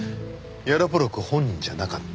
ヤロポロク本人じゃなかった。